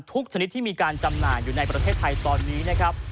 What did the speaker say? ชนิดที่มีการจำหน่ายอยู่ในประเทศไทยตอนนี้นะครับ